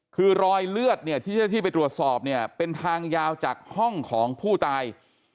คือรอยเลือดที่ที่ไปตรวจสอบเป็นทางยาวจากห้องของผู้ตาย